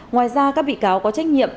ngoài ra các bị cáo có trách nhiệm